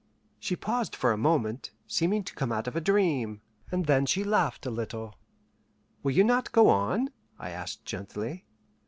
'" She paused for a moment, seeming to come out of a dream, and then she laughed a little. "Will you not go on?" I asked gently.